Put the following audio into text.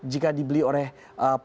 jika dibeli oleh pemerintah